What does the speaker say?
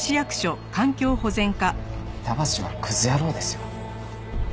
板橋はクズ野郎ですよ。